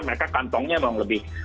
mereka kantongnya memang lebih